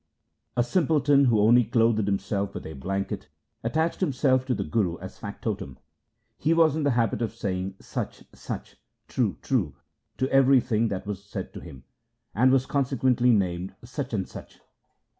A simpleton, who only clothed himself with a blanket, attached himself to the Guru as factotum. He was in the habit of saying ' Sach, sach !' (true, true) to everything that was said to him, and was consequently nicknamed Sachansach.